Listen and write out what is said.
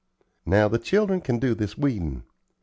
"Now the children can do this weedin'.